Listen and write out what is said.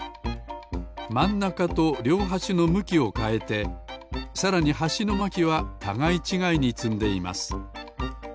まんなかとりょうはしのむきをかえてさらにはしのまきはたがいちがいにつんでいます。